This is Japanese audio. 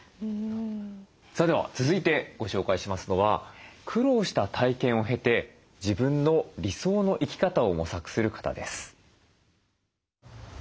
さあでは続いてご紹介しますのは苦労した体験を経て自分の理想の生き方を模索する方です。